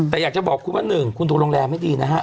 แต่อยากจะบอกคุณว่า๑คุณดูโรงแรมไม่ดีนะฮะ